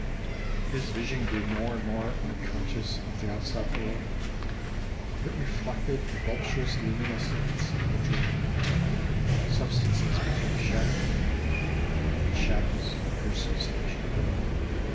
His vision grew more and more unconscious of the out side world ; it reflected the voluptuous luminousness of a dream. Substances became shadowy, and shadows grew r substantial.